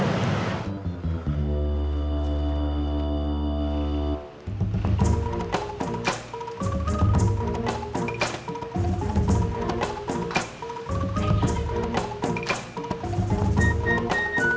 tidak ada om